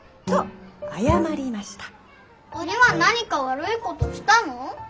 鬼は何か悪いことしたの？